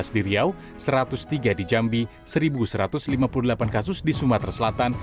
tujuh belas di riau satu ratus tiga di jambi satu satu ratus lima puluh delapan kasus di sumatera selatan